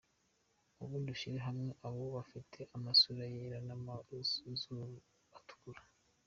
Ubundi ushyire hamwe abo bafite amasura yera n’amazuru atukura.